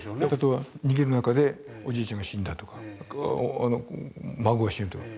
逃げる中でおじいちゃんが死んだとか孫が死ぬとか。